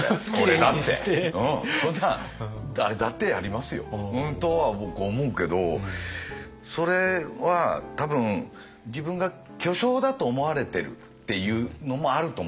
俺だってそんなん誰だってやりますよ。とは僕思うけどそれは多分自分が巨匠だと思われてるっていうのもあると思うんですよ。